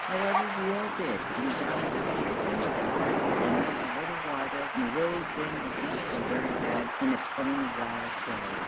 However we all did, and the valley became first a crack and then a little wider, and the road then was not so very bad in its own wild way.